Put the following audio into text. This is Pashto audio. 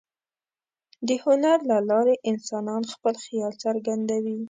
د هنر له لارې انسان خپل خیال څرګندوي.